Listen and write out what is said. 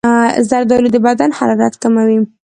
زردالو د بدن حرارت کموي.